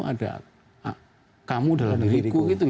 ada kamu dalam diriku